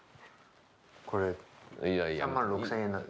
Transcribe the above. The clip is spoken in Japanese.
これ３万６，０００円なの。